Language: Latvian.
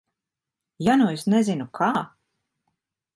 Ja nu es nezinu, kā?